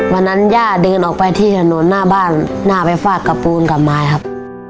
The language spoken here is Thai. ย่าเดินออกไปที่ถนนหน้าบ้านย่าไปฟาดกับปูนกับไม้ครับ